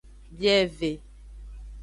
Bieve.